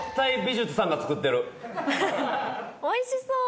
おいしそう。